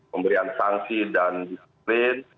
pemberian sanksi dan diskret